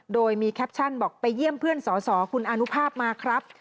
โดยมีแคปชั่นบอกไปเยี่ยมเพื่อนสอสอคุณอนุภาพมาครับ